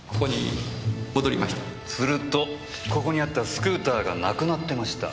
するとここにあったスクーターがなくなってました。